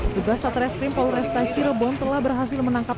tugas satreskrim polresta cirebon telah berhasil menangkap